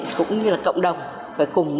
cũng như là cộng đồng